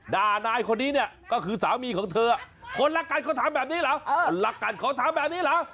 ด่านายคนนี้เนี่ยก็คือสามีของเธอคนรักกันเขาทำแบบนี้เหรอคนรักกันเขาทำแบบนี้เหรอ